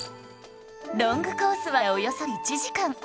ロングコースはおよそ１時間